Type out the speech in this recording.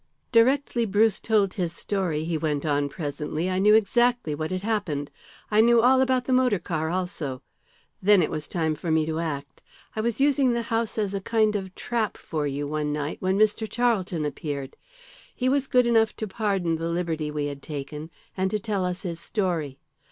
"Directly Bruce told his story," he went on presently, "I knew exactly what had happened. I knew all about the motor car also. Then it was time for me to act. I was using the house as a kind of trap for you one night when Mr. Charlton appeared. He was good enough to pardon the liberty we had taken and to tell us his story.